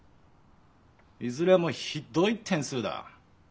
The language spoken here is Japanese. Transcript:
いずれもひどい点数だ。